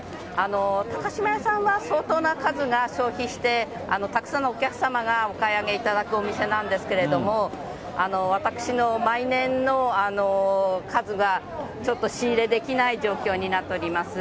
高島屋さんは相当な数が消費して、たくさんのお客様がお買い上げいただくお店なんですけれども、私の毎年の数は、ちょっと仕入れできない状況になっております。